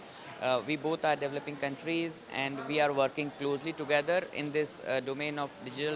kami berdua adalah negara berkembang dan kita bekerja bersama sama dalam domen transformasi digital